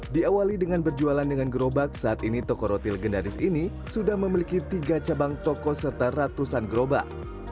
diawali dengan berjualan dengan gerobak saat ini toko roti legendaris ini sudah memiliki tiga cabang toko serta ratusan gerobak